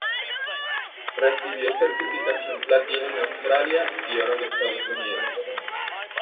Recibió certificación platino en Australia y oro en Estados Unidos.